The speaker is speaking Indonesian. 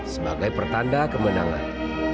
sebagai pertanda kemenangan